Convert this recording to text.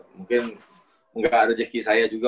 mungkin nggak rezeki saya juga